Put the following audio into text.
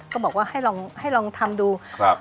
ก็บอกว่าให้ลองให้ลองทำดู